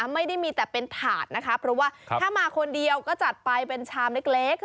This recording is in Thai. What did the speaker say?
ไม่ได้มีแต่เป็นถาดนะคะเพราะว่าถ้ามาคนเดียวก็จัดไปเป็นชามเล็ก